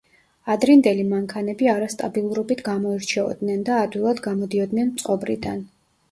ადრინდელი მანქანები არასტაბილურობით გამოირჩეოდნენ და ადვილად გამოდიოდნენ მწყობრიდან.